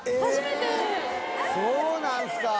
そうなんすか。